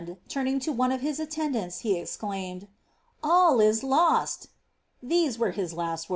turning to one of his attendants, he exclaimed, ^ All is lostF These words were his last."